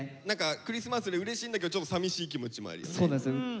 何かクリスマスでうれしいんだけどちょっとさみしい気持ちもあるよね。